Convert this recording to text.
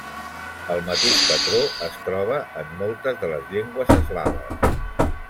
El mateix patró es troba en moltes de les llengües eslaves.